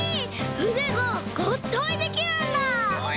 うでががったいできるんだ！